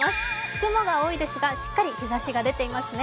雲が多いですが、しっかり日ざしが出ていますね。